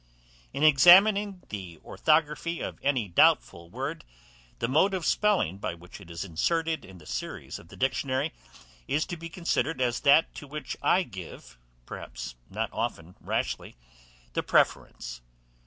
In examining the orthography of any doubtful word, the mode of spelling by which it is inserted in the series of the dictionary, is to be considered as that to which I give, perhaps not often rashly, the preference.